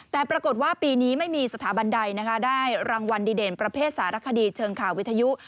แต่ปรากฏว่าปีนี้ไม่มีสถาบันใดนะคะได้รางวัลดีเด่นประเภทสารคดีเชิงข่าววิทยุ